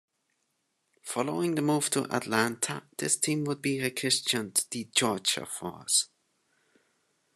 Following the move to Atlanta, this team would be rechristened the Georgia Force.